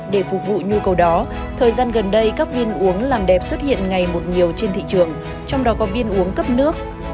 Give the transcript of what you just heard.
để phục vụ nhu cầu đó thời gian gần đây các viên uống làm đẹp xuất hiện ngày một nhiều trên thị trường trong đó có viên uống cấp nước